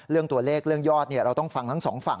เรื่องตัวเลขเรื่องยอดเราต้องฟังทั้งสองฝั่ง